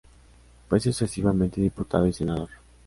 Fue sucesivamente Diputado y Senador.